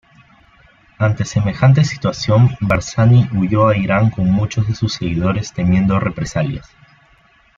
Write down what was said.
Ante semejante situación, Barzani huyó a Irán con muchos de sus seguidores temiendo represalias.